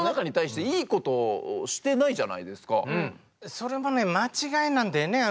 それもね間違いなんだよね。